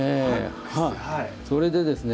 それでですね